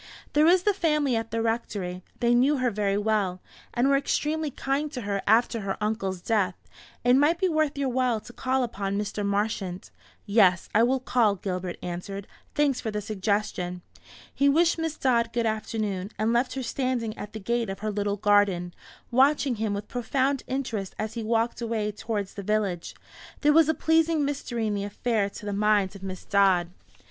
"There is the family at the Rectory; they knew her very well, and were extremely kind to her after her uncle's death. It might be worth your while to call upon Mr. Marchant." "Yes, I will call," Gilbert answered; "thanks for the suggestion." He wished Miss Dodd good afternoon, and left her standing at the gate of her little garden, watching him with profound interest as he walked away towards the village. There was a pleasing mystery in the affair, to the mind of Miss Dodd.